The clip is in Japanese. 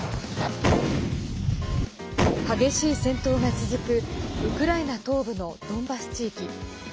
激しい戦闘が続くウクライナ東部のドンバス地域。